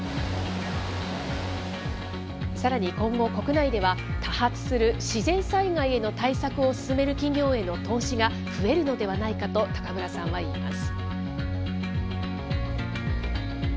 さらに今後、国内では多発する自然災害への対策を進める企業への投資が増えるのではないかと高村さんはいいます。